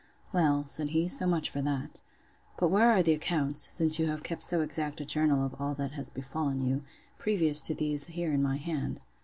Well, said he, so much for that—But where are the accounts (since you have kept so exact a journal of all that has befallen you) previous to these here in my hand?